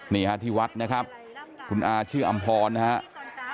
นี่ฮะที่วัดนะครับคุณอาชื่ออำพรนะครับ